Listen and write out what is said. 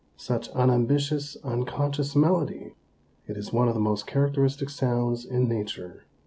Such unambitious, unconscious melody! It is one of the most characteristic sounds in Nature.